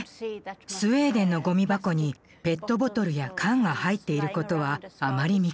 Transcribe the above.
スウェーデンのゴミ箱にペットボトルや缶が入っていることはあまり見かけません。